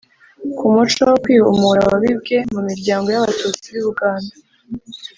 ku muco wo kwihimura wabibwe mu miryango y'abatutsi b'i buganda